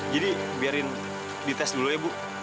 jadi biarin dites dulu ya bu